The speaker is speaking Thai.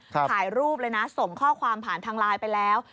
ถ่ายรูปเลยนะส่งข้อความผ่านทางไลน์ไปแล้ว